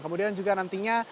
kemudian juga nantinya